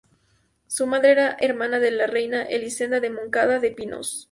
Su madre era hermana de la reina Elisenda de Moncada y de Pinós.